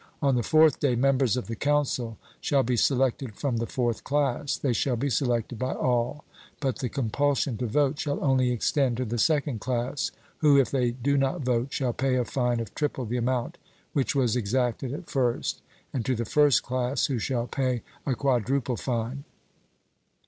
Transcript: On the fourth day, members of the council shall be selected from the fourth class; they shall be selected by all, but the compulsion to vote shall only extend to the second class, who, if they do not vote, shall pay a fine of triple the amount which was exacted at first, and to the first class, who shall pay a quadruple fine.